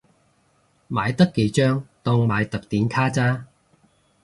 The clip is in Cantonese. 買得幾張當買特典卡咋